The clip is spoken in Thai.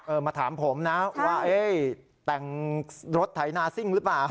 มาถามผมนะว่าเอ๊ะแต่งรถไถนาซิ่งหรือเปล่า